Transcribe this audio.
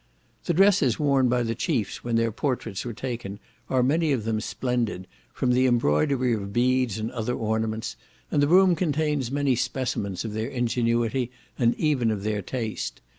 The dresses worn by the chiefs when their portraits were taken, are many of them splendid, from the embroidery of beads and other ornaments: and the room contains many specimens of their ingenuity, and even of their taste.